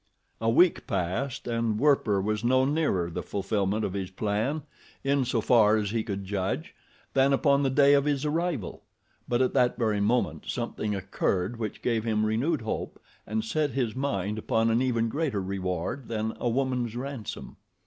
A week passed, and Werper was no nearer the fulfillment of his plan, in so far as he could judge, than upon the day of his arrival, but at that very moment something occurred which gave him renewed hope and set his mind upon an even greater reward than a woman's ransom.